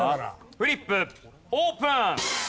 フリップオープン！